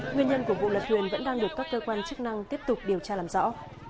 nguyên nhân của vụ lật thuyền vẫn đang được các cơ quan chức năng tiếp tục điều tra làm rõ